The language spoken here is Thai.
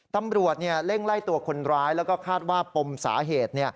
ตำรวจเร่งไล่ตัวคนร้ายแล้วก็คาดว่าปมสาเหตุ